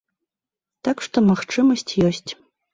Так што магчымасць ёсць.